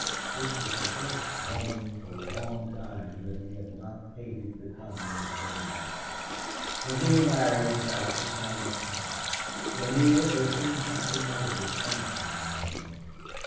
This was the first morning for a long time that he had not hated the coming of daylight. When he and Larry went out the sun was high. For Neale there seemed something more than sunshine in the air.